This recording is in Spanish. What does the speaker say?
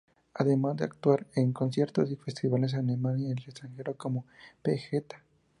Además de actuar en conciertos y Festivales en Alemania y el extranjero, como p.ej.